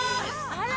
あら！